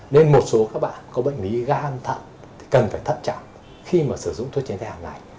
nên một số các bạn có bệnh bí gan thật thì cần phải thấp chẳng khi mà sử dụng thuốc tránh thai hàng ngày